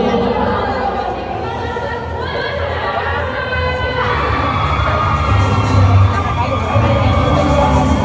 สวัสดีสวัสดี